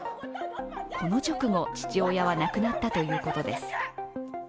この直後、父親は亡くなったということです。